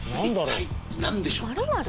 一体何でしょうか？